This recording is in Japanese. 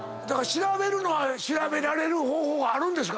調べるのは調べられる方法があるんですか？